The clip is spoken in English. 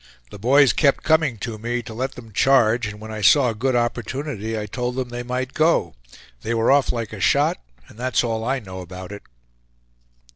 The boys kept coming to me, to let them charge; and when I saw a good opportunity, I told them they might go. They were off like a shot, and that's all I know about it."